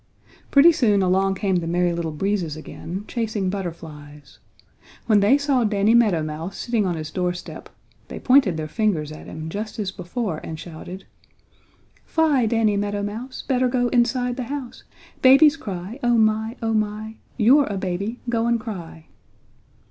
Pretty soon along came the Merry Little Breezes again, chasing butterflies. When they saw Danny Meadow Mouse sitting on his doorstep they pointed their fingers at him, just as before, and shouted: "Fie, Danny Meadow Mouse! Better go inside the house! Babies cry oh my! oh my! You're a baby go and cry!"